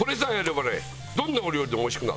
どんなお料理でもおいしくなる。